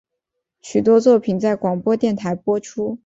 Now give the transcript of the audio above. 许多作品在广播电台播出。